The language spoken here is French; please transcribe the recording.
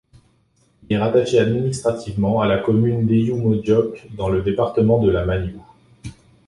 Il est rattaché administrativement à la commune d'Eyumodjock, dans le département de la Manyu.